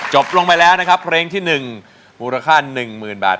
ลงไปแล้วนะครับเพลงที่๑มูลค่า๑๐๐๐บาท